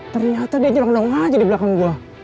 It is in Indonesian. ternyata dia jelang jelang aja di belakang gue